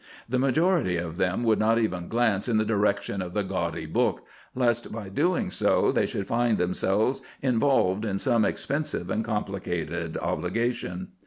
The majority of them would not even glance in the direction of the gaudy book, lest by doing so they should find themselves involved in some expensive and complicated obligation.